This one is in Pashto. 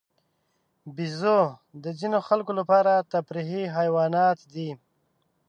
بیزو د ځینو خلکو لپاره تفریحي حیوان دی.